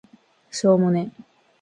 しょーもね